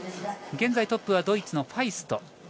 現在トップはドイツのファイスト。